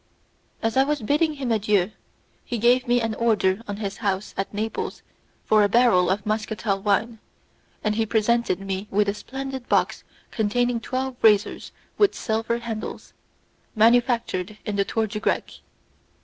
As I was bidding him adieu, he gave me an order on his house at Naples for a barrel of muscatel wine, and he presented me with a splendid box containing twelve razors with silver handles, manufactured in the Tour du Grec.